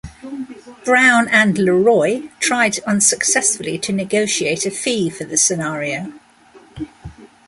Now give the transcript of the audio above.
Brown and LeRoy tried unsuccessfully to negotiate a fee for the scenario.